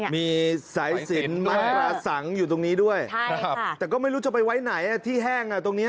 มีสายสินไม้กระสังอยู่ตรงนี้ด้วยแต่ก็ไม่รู้จะไปไว้ไหนที่แห้งตรงนี้